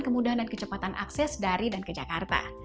kemudahan dan kecepatan akses dari dan ke jakarta